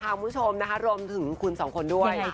คุณผู้ชมนะคะรวมถึงคุณสองคนด้วย